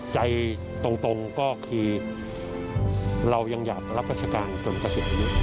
ใจตรงก็คือเรายังอยากรับราชการจนเกษียณ